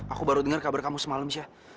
aku baru dengar kabar kamu semalam